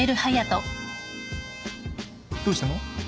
どうしたの？